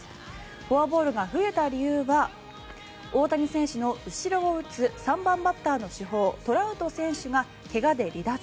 フォアボールが増えた理由は大谷選手の後ろを打つ３番バッターの主砲・トラウト選手が怪我で離脱。